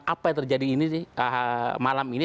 apa yang terjadi malam ini